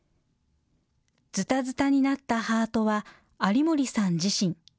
ずたずたになったハートは有森さん自身。